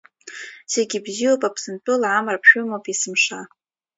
Зегьы бзиоуп Аԥсынтәыла, Амра ԥшәымоуп есымша.